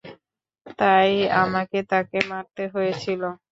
তাই আমাকে তাকে মারতে হয়েছিল।